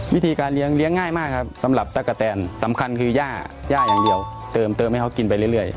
วิธีการเลี้ยงเลี้ยงง่ายมากครับสำหรับตะกะแตนสำคัญคือย่าย่าอย่างเดียวเติมให้เขากินไปเรื่อย